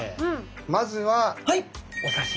まずはお刺身。